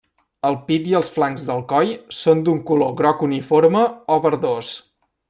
El pit i els flancs del coll són d'un color groc uniforme o verdós.